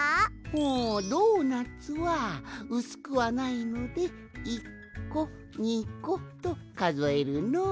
ほうドーナツはうすくはないので「１こ２こ」とかぞえるのう。